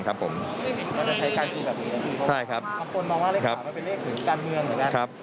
บางคนมองว่าเลขศึกเป้นเลขที่หรือการเมี่ยหรือแบบนั้น